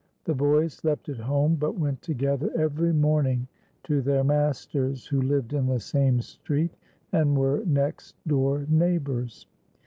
The boys slept at home, but went together every morning to their masters, wlio lived in the same street, and were next door neigh bours.